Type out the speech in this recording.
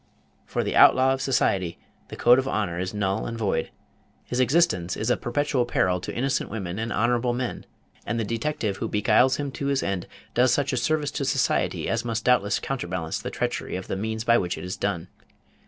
For the outlaw of society, the code of honor is null and void. His existence is a perpetual peril to innocent women and honorable men; and the detective who beguiles him to his end does such a service to society as must doubtless counterbalance the treachery of the means by which it is done.